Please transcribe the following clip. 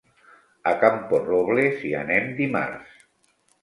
A Camporrobles hi anem dimarts.